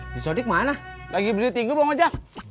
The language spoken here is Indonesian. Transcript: di shodik mana lagi beli tinggal aja